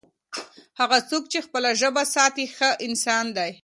هغه څوک چي خپله ژبه ساتي، ښه انسان دی.